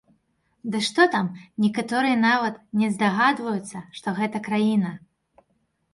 Ды што там, некаторыя нават не здагадваюцца, што гэта краіна.